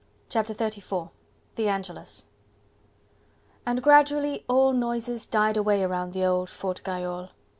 Chapter XXXIV: The Angelus And gradually all noises died away around the old Fort Gayole.